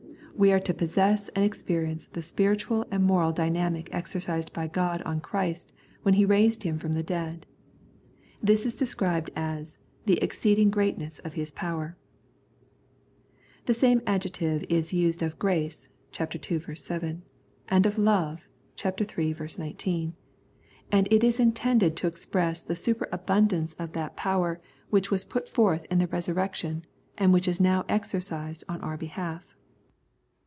We are to possess and ex perience the spiritual and moral dynamic exercised by God on Christ when He raised Him from the dead. This is described as " the exceeding greatness of His power." The same adjective is used of grace (ch. ii. 7), and of love (ch. iii. 19), and it is intended to express the superabundance of that power 104 Wisdom and Revelation which was put forth in the Resurrection and is now exercised on our behalf.